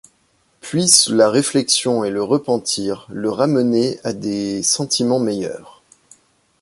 Puissent la réflexion et le repentir le ramener à des sentiments meilleurs!